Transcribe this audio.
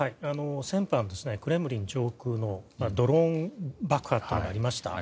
先般はクレムリン上空のドローン爆破がありました。